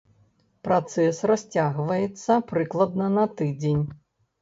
Працэс расцягваецца прыкладна на тыдзень.